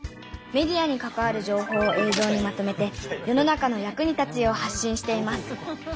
メディアに関わる情報を映像にまとめて世の中の役に立つよう発しんしています。